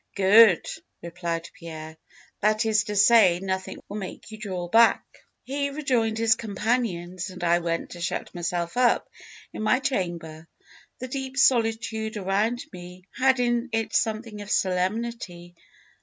"'Good!' replied Pierre; 'that is to say, nothing will make you draw back.' "He rejoined his companions, and I went to shut myself up in my chamber. "The deep solitude around me had in it something of solemnity.